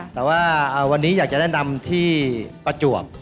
แต่ว่าวันนี้อยากจะแนะนำที่ประจวบ